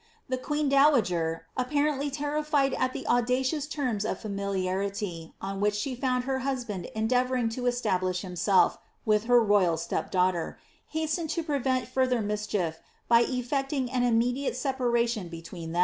The queen dowager, apparently terrified at the audacious terms of familiarity on which she found her husband en deavouring to establish himself with her royal stepdaughter, hastened to prevent fuither mischief by ejecting an immediate separation between them.